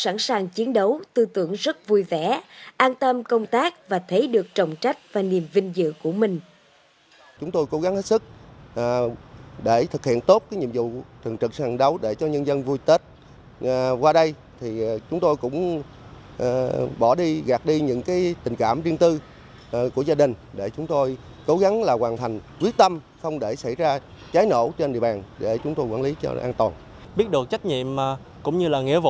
sẵn sàng chiến đấu tư tưởng rất vui vẻ an tâm công tác và thấy được trọng trách và niềm vinh dự của mình